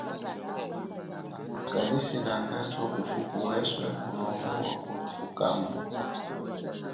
Kaliselangacho ufuku weswe mulonga wakuthukamo.